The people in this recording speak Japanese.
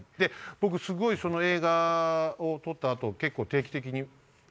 僕その映画を撮った後結構定期的に。